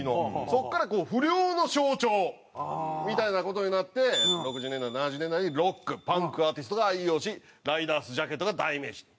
そこからこう不良の象徴みたいな事になって６０年代７０年代にロック・パンクアーティストが愛用しライダースジャケットが代名詞に。